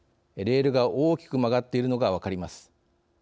レールが大きく曲がっているのが分かります。